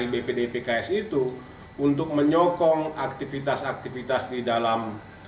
bpdpks itu untuk menyokong aktivitas aktivitas di dalam